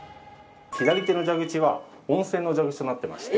左手の蛇口は温泉の蛇口となってまして。